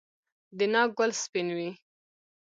د ناک ګل سپین وي؟